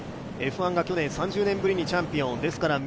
Ｆ１が去年３１年ぶりにチャンピオン。